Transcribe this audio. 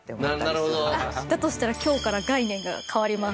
だとしたら今日から概念が変わります。